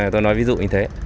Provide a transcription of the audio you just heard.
tôi nói ví dụ như thế